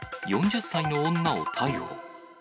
４０歳の女を逮捕。